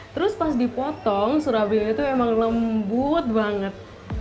terus pas dipotong surabaya itu emang lembut banget